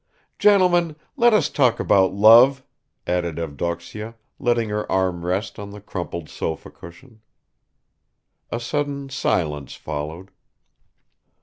Gentlemen, let us talk about love," added Evdoksya, letting her arm rest on the crumpled sofa cushion. A sudden silence followed.